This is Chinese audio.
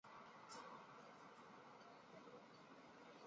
蛏蚌属为蚌目蚌科隆嵴蚌亚科一个淡水动物的属。